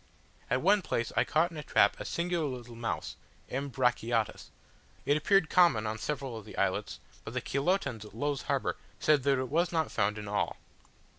At one place I caught in a trap a singular little mouse (M. brachiotis); it appeared common on several of the islets, but the Chilotans at Low's Harbour said that it was not found in all.